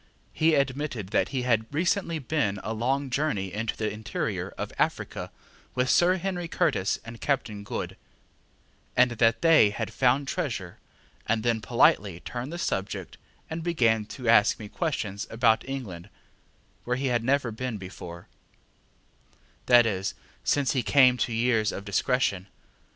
He admitted that he had recently been a long journey into the interior of Africa with Sir Henry Curtis and Captain Good, and that they had found treasure, and then politely turned the subject and began to ask me questions about England, where he had never been before that is, since he came to years of discretion.